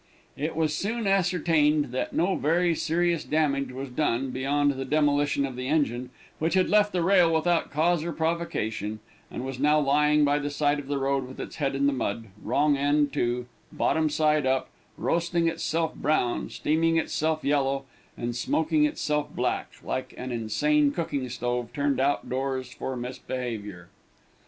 It was soon ascertained that no very serious damage was done, beyond the demolition of the engine, which had left the rail without cause or provocation, and was now lying by the side of the road with its head in the mud, wrong end to, bottom side up, roasting itself brown, steaming itself yellow, and smoking itself black, like an insane cooking stove turned out doors for misbehavior.